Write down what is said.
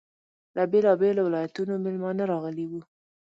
له بېلابېلو ولایتونو میلمانه راغلي وو.